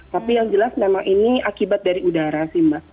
tapi yang jelas memang ini akibat dari udara sih mbak